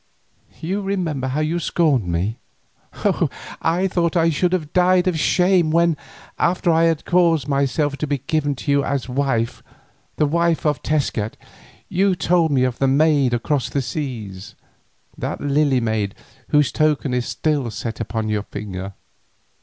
You remember how you scorned me—oh! I thought I should have died of shame when, after I had caused myself to be given to you as wife, the wife of Tezcat, you told me of the maid across the seas, that Lily maid whose token is still set upon your finger.